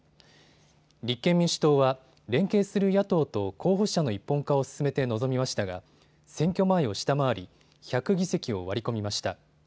立憲民主党は連携する野党と候補者の一本化を進めて臨みましたが選挙前を下回り１００議席を割り込みました。